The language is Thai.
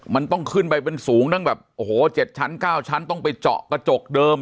มันต้องขึ้นไปเป็นสูงตั้งแบบโอ้โห๗ชั้น๙ชั้นต้องไปเจาะกระจกเดิม